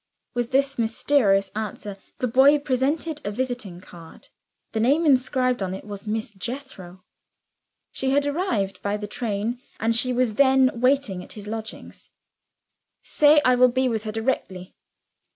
With this mysterious answer, the boy presented a visiting card. The name inscribed on it was "Miss Jethro." She had arrived by the train, and she was then waiting at Alban's lodgings. "Say I will be with her directly."